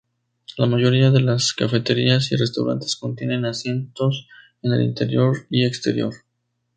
La mayoría de las cafeterías y restaurantes contienen asientos en el interior y exterior.